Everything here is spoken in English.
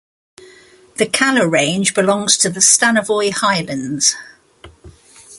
The Kalar Range belongs to the Stanovoy Highlands.